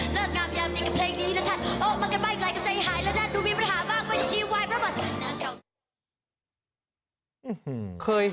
เลิกงามยามนี้กับเพลงนี้ละทันโอ้มันกันบ้ายกลายกับใจหาย